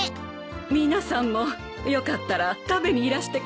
皆さんもよかったら食べにいらしてください。